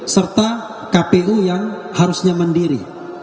serta kpu yang harusnya mandiri